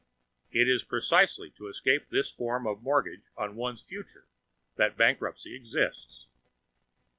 It is precisely to escape this form of mortgage on one's future that bankruptcy exists.